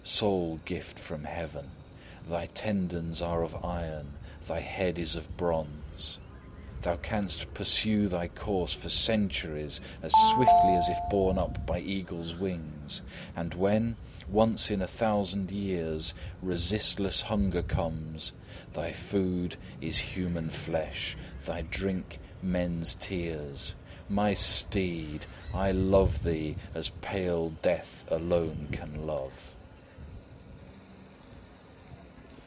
Sole gift from heaven! Thy tendons are of iron, thy head is of bronze. Thou canst pursue thy course for centuries as swiftly as if borne up by eagle's wings; and when, once in a thousand years, resistless hunger comes, thy food is human flesh, thy drink, men's tears. My steed! I love thee as Pale Death alone can love!